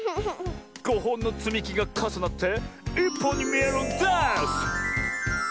５ほんのつみきがかさなって１ぽんにみえるんです！